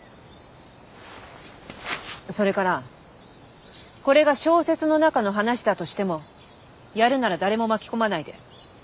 それからこれが小説の中の話だとしてもやるなら誰も巻き込まないで一人でやって。